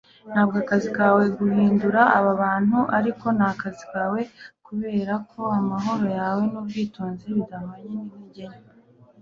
ntabwo akazi kawe guhindura aba bantu, ariko nakazi kawe kubereka ko amahoro yawe nubwitonzi bidahwanye nintege nke